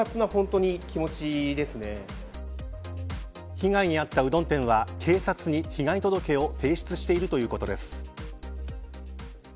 被害に遭ったうどん店は警察に被害届を提出しているということです。